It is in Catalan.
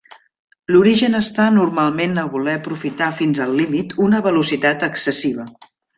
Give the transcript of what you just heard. L'origen està normalment a voler aprofitar fins al límit una velocitat excessiva.